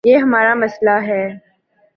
یہ ہمار امسئلہ ہے۔